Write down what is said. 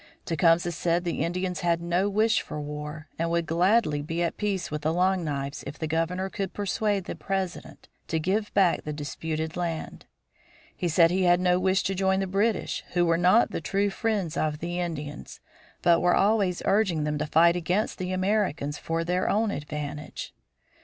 Tecumseh said the Indians had no wish for war, and would gladly be at peace with the Long Knives if the Governor could persuade the President to give back the disputed land. He said he had no wish to join the British, who were not the true friends of the Indians, but were always urging them to fight against the Americans for their own advantage.